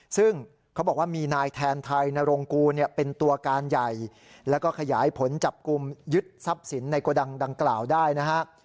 ซึ่งเขาบอกว่ามีนายแทนไทยนรงกูเนี่ยเป็นตัวการใหญ่แล้วก็ขยายผลจับกลุ่มยึดทรัพย์สินในโกดังดังกล่าวได้นะฮะ